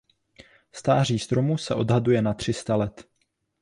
Stáří stromu se odhaduje na tři sta let.